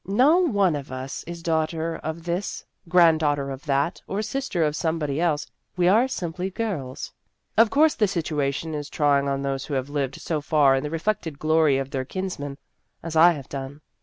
No one of us is daughter of this, grand daughter of that, or sister of somebody else ; we are simply girls. Of course, the situation is trying on those who have lived so far in the reflected glory of their kins men, as I have done.